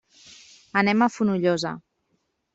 Anem a Fonollosa.